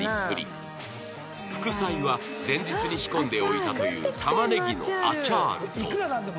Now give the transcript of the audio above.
副菜は前日に仕込んでおいたという玉ねぎのアチャール